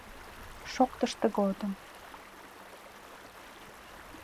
— шоктыш тыгодым